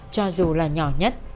cho dù là nhỏ nhất